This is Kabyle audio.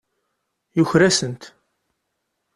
Yuker-asent.